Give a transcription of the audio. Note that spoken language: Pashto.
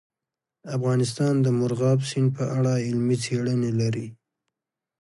افغانستان د مورغاب سیند په اړه علمي څېړنې لري.